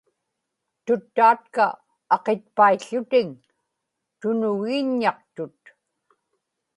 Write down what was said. tuttaatka aqitpaił̣ł̣utiŋ tunugiiññaqtut